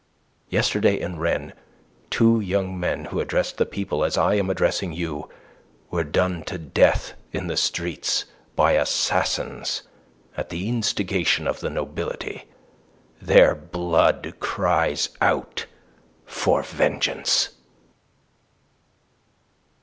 Yesterday in Rennes two young men who addressed the people as I am addressing you were done to death in the streets by assassins at the instigation of the nobility. Their blood cries out for vengeance."